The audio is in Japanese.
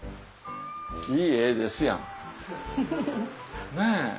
いい絵ですやんねぇ。